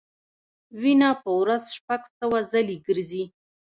وینه په ورځ شپږ سوه ځلې ګرځي.